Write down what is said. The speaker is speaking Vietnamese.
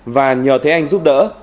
và nhờ thế anh giúp đỡ